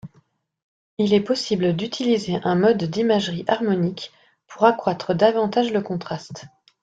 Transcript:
Il est possible d'utiliser un mode d'imagerie harmonique pour accroitre davantage le contraste.